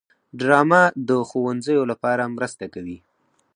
ډرامه د ښوونځیو لپاره مرسته کوي